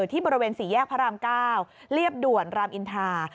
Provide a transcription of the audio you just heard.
ที่บริเวณ๔แยกพระราม๙เรียบด่วนรามอินทรา